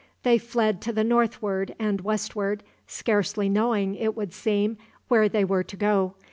They fled to the northward and westward, scarcely knowing, it would seem, where they were to go.